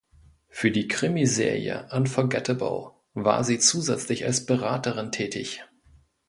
Für die Krimiserie "Unforgettable" war sie zusätzlich als Beraterin tätig.